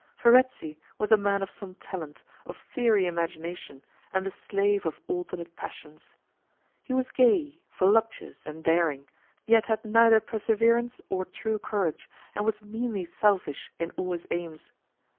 Verezzi was a man of some talent, of fiery imagination, and the slave of alternate passions. He was gay, voluptuous, and daring; yet had neither perseverance nor true courage, and was meanly selfish in all his aims.